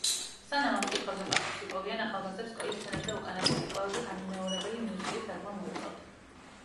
სანამ ამ კითხვებზე პასუხს იპოვიან ახალგაზრდებს სკოლის სცენაზე უკანასკნელი, ყველაზე განუმეორებელი მიუზიკლის დადგმა მოუწევთ.